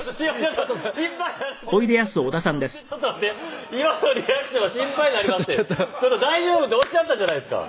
ちょっと大丈夫っておっしゃったじゃないですか。